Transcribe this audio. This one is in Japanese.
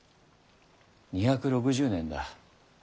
２６０年だ。